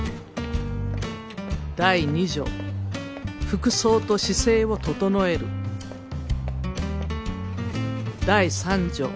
「第二条服装と姿勢を整える」「第三条